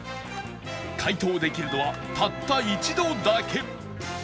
解答できるのはたった一度だけ